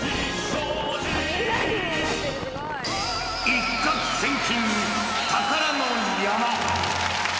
一攫千金宝の山。